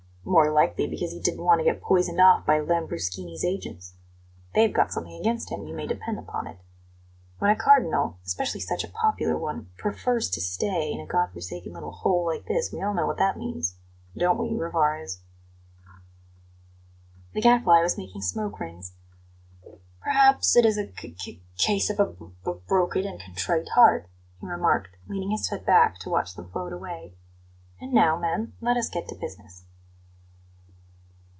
"More likely because he didn't want to get poisoned off by Lambruschini's agents. They've got something against him, you may depend upon it. When a Cardinal, especially such a popular one, 'prefers to stay' in a God forsaken little hole like this, we all know what that means don't we, Rivarez?" The Gadfly was making smoke rings. "Perhaps it is a c c case of a 'b b broken and contrite heart,'" he remarked, leaning his head back to watch them float away. "And now, men, let us get to business."